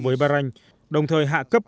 với bahrain đồng thời hạ cấp